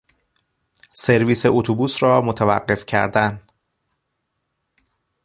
سرویس اتوبوس را متوقف کردن